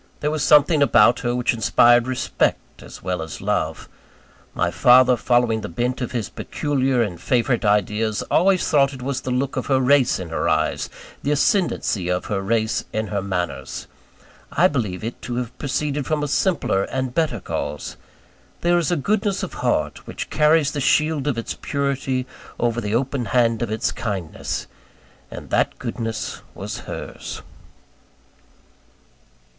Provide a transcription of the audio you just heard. There was something about her which inspired respect as well as love. My father, following the bent of his peculiar and favourite ideas, always thought it was the look of her race in her eyes, the ascendancy of her race in her manners. I believe it to have proceeded from a simpler and a better cause. There is a goodness of heart, which carries the shield of its purity over the open hand of its kindness: and that goodness was hers.